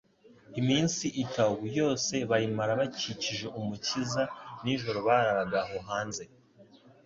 Iminsi itaW yose bayimara bakikije Umukiza; nijoro bararaga aho hanze,